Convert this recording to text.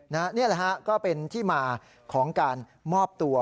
นี่แหละฮะก็เป็นที่มาของการมอบตัว